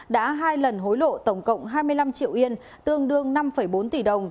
đã hai lần hối lộ tổng cộng hai mươi năm triệu yên tương đương năm bốn tỷ đồng